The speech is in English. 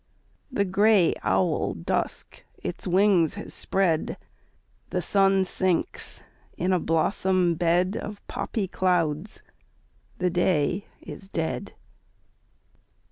The gray owl Dusk its wings has spread ; The sun sinks in a blossom bed Of poppy clouds ; the day is dead.